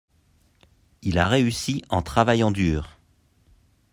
il a réussi en travaillant dur.